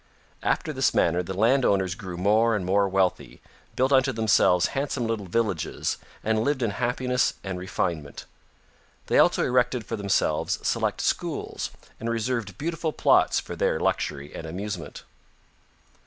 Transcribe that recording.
After this manner the land owners grew more and more wealthy, built unto themselves handsome little villages, and lived in happiness and refinement. They also erected for themselves select schools and reserved beautiful plots for their luxury and amusement.